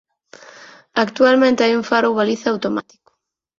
Actualmente hai un faro ou baliza automático.